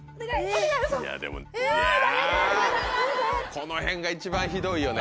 この辺が一番ひどいよね。